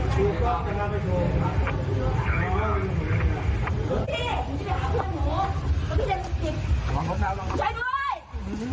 ช่วยด้วย